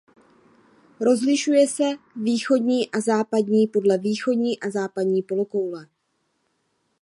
Rozlišuje se východní a západní podle východní a západní polokoule.